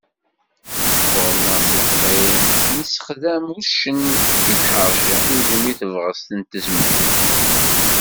Ɣur-neγ s Leqbayel, nessexdam uccen i tḥerci, izem i tebγest d tezmert.